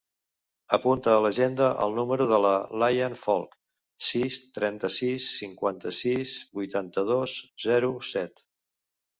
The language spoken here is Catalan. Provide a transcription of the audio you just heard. Apunta a l'agenda el número de la Layan Folch: sis, trenta-sis, cinquanta-sis, vuitanta-dos, zero, set.